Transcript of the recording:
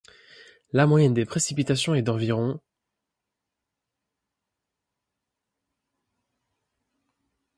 La moyenne des précipitations est d'environ mm.